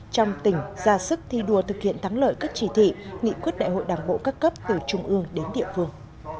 trong tỉnh ra sức thi đua thực hiện thắng lợi các chỉ thị nghị quyết đại hội đảng bộ các cấp từ trung ương đến địa phương